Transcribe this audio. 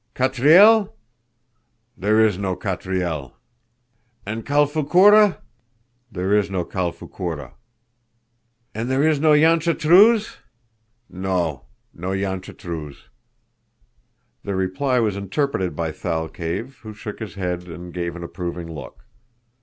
Catriel?" "There is no Catriel." "And Calfoucoura?" "There is no Calfoucoura." "And is there no Yanchetruz?" "No; no Yanchetruz." The reply was interpreted by Thalcave, who shook his head and gave an approving look.